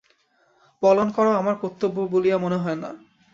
পলায়ন করাও আমার কর্তব্য বলিয়া মনে হয় না।